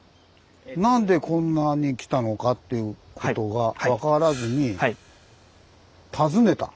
なんでこんなに来たのかっていうことが分からずに尋ねた。